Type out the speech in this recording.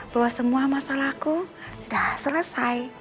bahwa semua masalahku sudah selesai